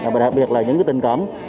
và đặc biệt là những tình cảm